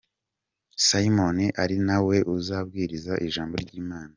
Simon ari na we uzabwiriza ijambo ry’Imana.